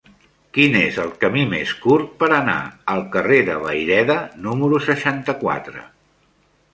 Quin és el camí més curt per anar al carrer de Vayreda número seixanta-quatre?